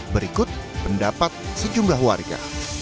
berikut pendapat sejumlah warga